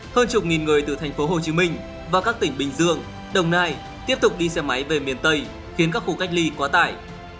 hơn chục nghìn người từ thành phố hồ chí minh và các tỉnh bình dương đồng nai tiếp tục đi xe máy về miền tây khiến các khu cách ly quá tải